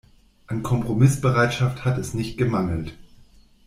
An Kompromissbereitschaft hat es nicht gemangelt.